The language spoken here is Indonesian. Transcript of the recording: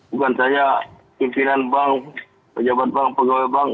bukan saja pimpinan bank pejabat bank pegawai bank